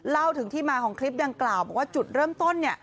เล่าถึงที่มาของคลิปดังกล่าวบอกว่าจุดเริ่มต้นเนี่ย